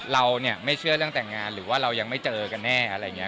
เราเนี่ยไม่เชื่อเรื่องแต่งงานหรือว่าเรายังไม่เจอกันแน่อะไรอย่างนี้